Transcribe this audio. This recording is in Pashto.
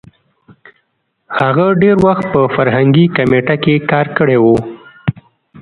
هغه ډېر وخت په فرهنګي کمېټه کې کار کړی وو.